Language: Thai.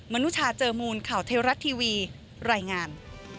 นุชาเจอมูลข่าวเทวรัฐทีวีรายงาน